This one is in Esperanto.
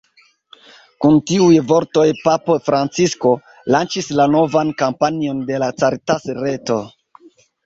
Kun tiuj vortoj papo Francisko, lanĉis la novan kampanjon de la Caritas-reto.